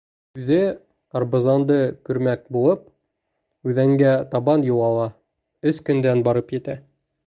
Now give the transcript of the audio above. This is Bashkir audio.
Үҙе, Орбазанды күрмәк булып, үҙәнгә табан юл ала, өс көндән барып етә.